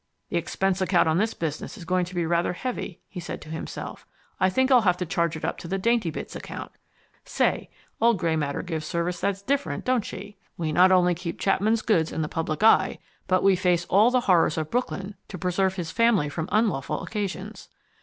"The expense account on this business is going to be rather heavy," he said to himself. "I think I'll have to charge it up to the Daintybits account. Say, old Grey Matter gives service that's DIFFERENT, don't she! We not only keep Chapman's goods in the public eye, but we face all the horrors of Brooklyn to preserve his family from unlawful occasions.